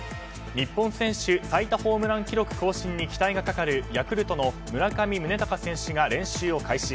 日本選手最多ホームラン記録更新に期待がかかるヤクルトの村上宗隆選手が練習を開始。